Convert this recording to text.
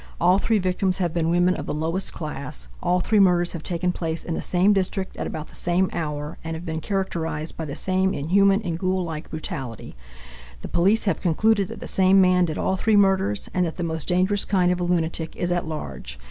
All three victims have been women of the lowest class; all three murders have taken place in the same district, at about the same hour, and have been characterized by the same inhuman and ghoul like brutality. The police have concluded that the same man did all three murders and that the most dangerous kind of a lunatic is at large.